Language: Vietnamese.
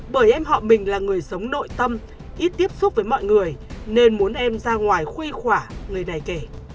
bởi em họ mình là người sống nội tâm ít tiếp xúc với mọi người nên muốn em ra ngoài khuê khỏa người này kể